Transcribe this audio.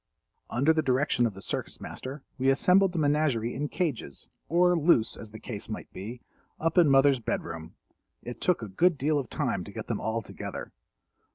Under the direction of the Circus Master we assembled the menagerie in cages, or loose as the case might be, up in Mother's bed room. It took a good deal of time to get them all together.